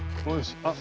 あっ。